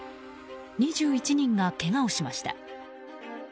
２１人がけがをしました。